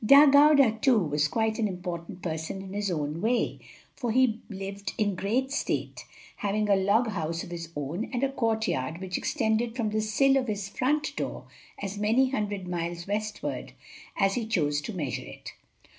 Dah Gauda, too, was quite an important person in his own way, for he lived in great state, having a log house of his own and a court yard which extended from the sill of his front door as many hundred miles westward as he chose to measure it.